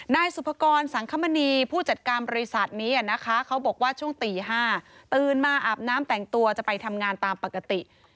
นายสุภกรสังคมณีผู้จัดการบริษัทนี้นะคะเขาบอกว่าช่วงตี๕ตื่นมาอาบน้ำแต่งตัวจะไปทำงานตามปกติ